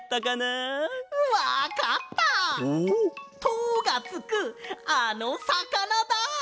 「と」がつくあのさかなだ！